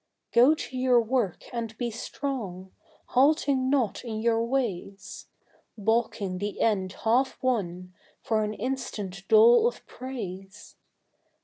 Go to your work and be strong, halting not in your ways, Baulking the end half won for an instant dole of praise.